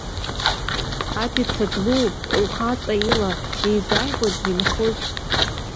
Адица длуоуп лхаҵа ила, еизааигәангьы инхоит.